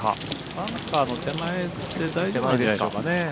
バンカーの手前で大丈夫なんじゃないでしょうかね。